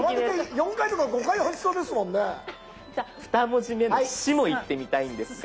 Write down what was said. じゃあ２文字目の「し」もいってみたいんですが。